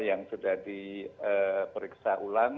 yang sudah diperiksa